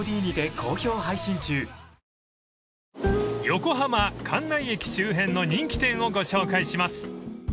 ［横浜関内駅周辺の人気店をご紹介します］